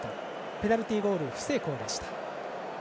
ペナルティーゴール不成功でした。